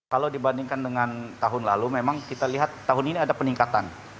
kalau dibandingkan dengan tahun lalu memang kita lihat tahun ini ada peningkatan